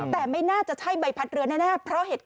แต่ไม่น่าจะใช่ใบพัดเรือแน่